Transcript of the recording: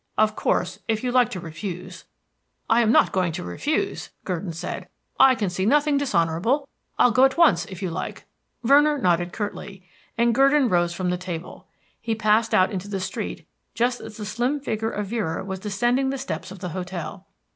Of course, if you like to refuse " "I am not going to refuse," Gurdon said. "I can see nothing dishonorable. I'll go at once, if you like." Venner nodded curtly, and Gurdon rose from the table. He passed out into the street just as the slim figure of Vera was descending the steps of the hotel.